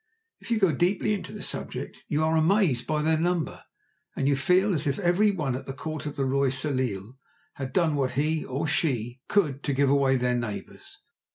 If you go deeply into the subject you are amazed by their number, and you feel as if every one at the Court of the Roi Soleil had done what he (or she) could to give away their neighbours.